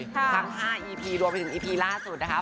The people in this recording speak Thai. ทั้ง๕อีพีรวมไปถึงอีพีล่าสุดนะคะ